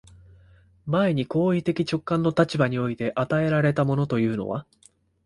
前に行為的直観の立場において与えられたものというのは、